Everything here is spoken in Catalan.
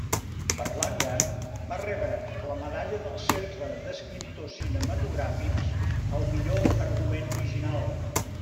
Berlanga va rebre la medalla del Cercle d'Escriptors Cinematogràfics al millor argument original.